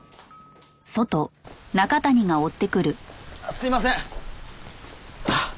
すみません！